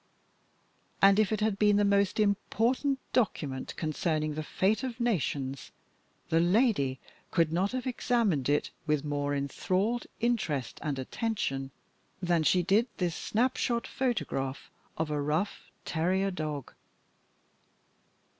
And if it had been the most important document concerning the fate of nations the lady could not have examined it with more enthralled interest and attention than she did this snapshot photograph of a rough terrier dog.